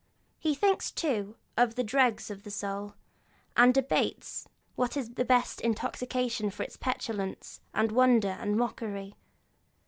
He thinks, too, of the dregs of the soul, and debates what is the best intoxication for its petulance and wonder and mockery.